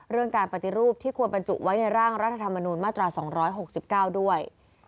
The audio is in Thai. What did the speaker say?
การปฏิรูปที่ควรบรรจุไว้ในร่างรัฐธรรมนูญมาตรา๒๖๙ด้วย